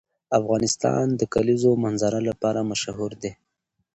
افغانستان د د کلیزو منظره لپاره مشهور دی.